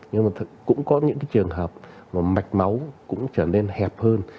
nhưng mà cũng có những cái trường hợp mà mạch máu cũng trở nên hẹp hơn